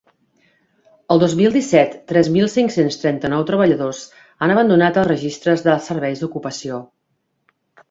El dos mil disset, tres mil cinc-cents trenta-nou treballadors han abandonat els registres dels serveis d’ocupació.